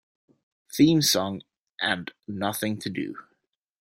Theme Song" and "Nothin' to Do".